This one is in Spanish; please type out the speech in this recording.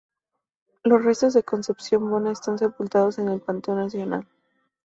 Los restos de Concepción Bona están sepultados en el Panteón Nacional.